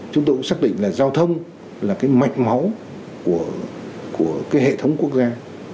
chúng tôi cũng xác định là giao thông là cái mạch máu của cái hệ thống quốc gia